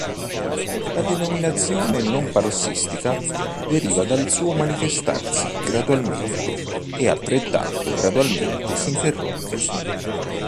La denominazione non parossistica deriva dal suo manifestarsi gradualmente e altrettanto gradualmente si interrompe.